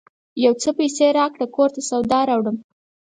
یو څه پیسې راکړه ! کور ته سودا راوړم